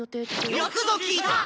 よくぞ聞いた！